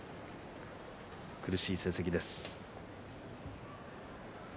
苦しい成績です。